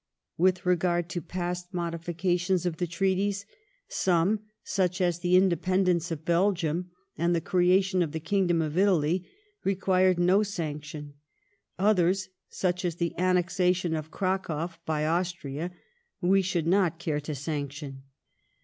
With regard to past modifications of the treaties, some,, such as the independence of Belgium, and the creation of the kingdom of Italy, required no sanction ; others,, such as the annexation of Cracow by Austria, we should not care to sanction.